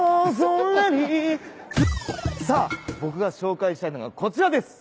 さあ僕が紹介したいのがこちらです。